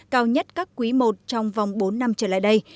cao nhất các quý i trong vòng bốn năm trở lại đây